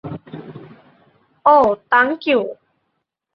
অও, তাংকিউ।